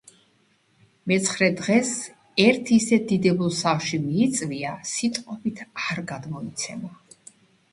მეცხრე დღეს ერთ ისეთ დიდებულ სახლში მიიწვია, სიტყვებით არ გადმოიცემა.